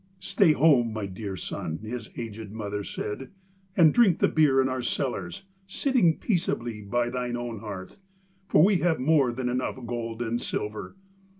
'Stay at home, my dear son,' his aged mother said, 'and drink the beer in our cellars, sitting peaceably by thine own hearth, for we have more than enough gold and silver.